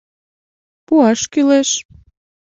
Пуаш кӱлеш.